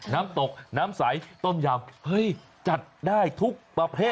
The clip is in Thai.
น้ำตกน้ำใสต้มยำเฮ้ยจัดได้ทุกประเภท